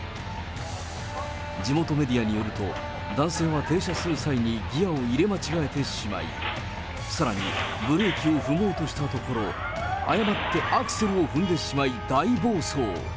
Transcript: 地元メディアによると、男性は停車する際にギアを入れ間違えてしまい、さらに、ブレーキを踏もうとしたところ、誤ってアクセルを踏んでしまい、大暴走。